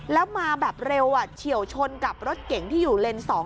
แล้วมาแบบเร็วเฉียวชนกับรถเก๋งที่อยู่เลนส์๒